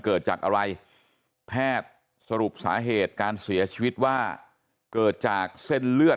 เกิดจากอะไรแพทย์สรุปสาเหตุการเสียชีวิตว่าเกิดจากเส้นเลือด